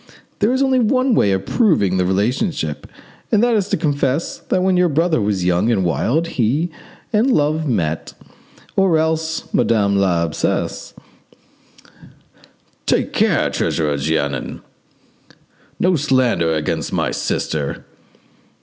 There is only one way of proving the relationship, and that is to confess that when your brother was young and wild he and Love met, or else Madame l'Abbesse——." "Take care, Treasurer Jeannin! no slander against my sister!"